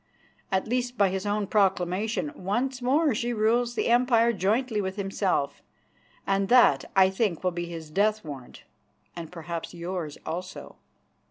At least, by his own proclamation once more she rules the Empire jointly with himself, and that I think will be his death warrant, and perhaps yours also."